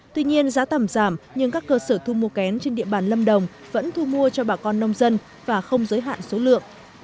tuy nhiên giá tằm giảm nhưng các cơ sở thu mua kén trên địa bàn lâm đồng vẫn thu mua cho bà con nông dân và không giới hạn số lượng